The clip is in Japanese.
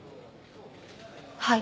はい。